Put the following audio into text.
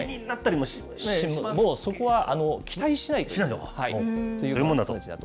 もうそこは期待しないと。